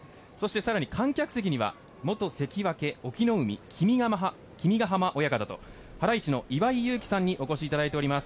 さらに、観客席には元関脇・隠岐の海君ヶ濱親方とハライチの岩井勇気さんにお越しいただいています。